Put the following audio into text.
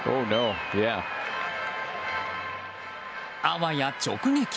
あわや直撃。